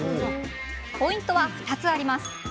ポイントは２つあります。